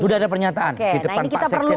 sudah ada pernyataan di depan pak sekjen